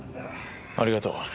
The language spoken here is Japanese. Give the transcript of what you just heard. ありがとう。